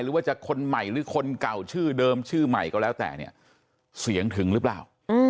หรือว่าจะคนใหม่หรือคนเก่าชื่อเดิมชื่อใหม่ก็แล้วแต่เนี่ยเสียงถึงหรือเปล่า